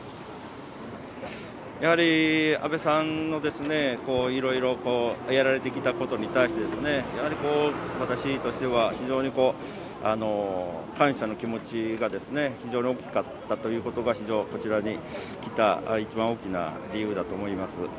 やはり安倍さんのいろいろやられてきたことに対して私としては非常に感謝の気持ちが非常に大きかったということがこちらに来た一番大きな理由だと思います。